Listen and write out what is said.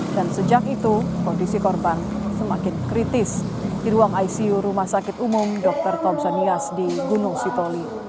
dan sejak itu kondisi korban semakin kritis di ruang icu rumah sakit umum dr thompson nias di gunung sitoli